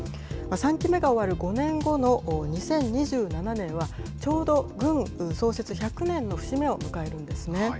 ３期目が終わる５年後の２０２７年は、ちょうど軍創設１００年の節目を迎えるんですね。